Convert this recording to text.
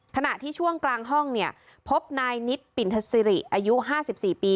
ขณะที่ช่วงกลางห้องเนี่ยพบนายนิตปินทศิริอายุห้าสิบสี่ปี